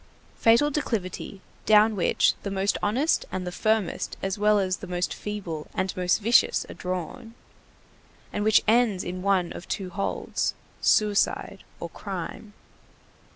Fatal declivity down which the most honest and the firmest as well as the most feeble and most vicious are drawn, and which ends in one of two holds, suicide or crime.